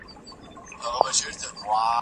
دلته تمځای د پوهنتون سره لا نه یم بلد